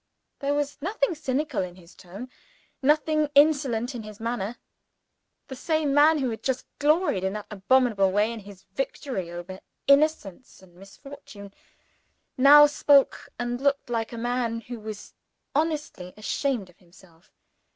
There was nothing cynical in his tone, nothing insolent in his manner. The same man who had just gloried in that abominable way, in his victory over innocence and misfortune, now spoke and looked like a man who was honestly ashamed of himself.